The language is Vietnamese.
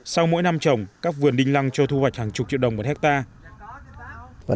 sau mỗi năm trồng các vườn đinh lăng cho thu hoạch hàng chục triệu đồng một hectare